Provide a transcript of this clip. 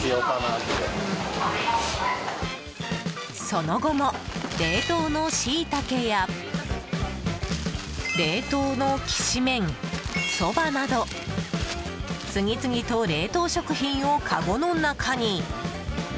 その後も冷凍のしいたけや冷凍のきしめん、そばなど次々と冷凍食品をかごの中に。